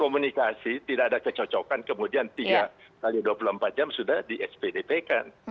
komunikasi tidak ada kecocokan kemudian tiga x dua puluh empat jam sudah di spdp kan